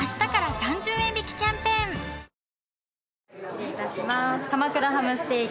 失礼いたします。